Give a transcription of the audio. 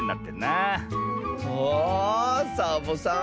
あサボさん